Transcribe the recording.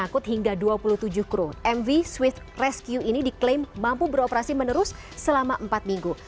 sehingga dua puluh tujuh kru mv swift rescue ini diklaim mampu beroperasi menerus selama empat minggu